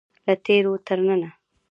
له تیرو تر ننه.